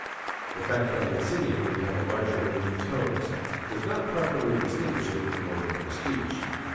The fact that in singing we have a larger range of tones does not properly distinguish it from ordinary speech.